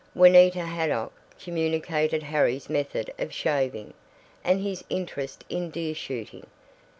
Juanita Haydock communicated Harry's method of shaving, and his interest in deer shooting.